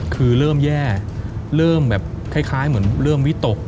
คือเริ่มแย่เริ่มแบบคล้ายเหมือนเริ่มวิตก